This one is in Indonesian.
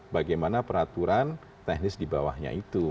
bagaimana peraturan teknis dibawahnya itu